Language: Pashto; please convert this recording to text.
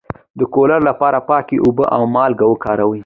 د کولرا لپاره پاکې اوبه او مالګه وکاروئ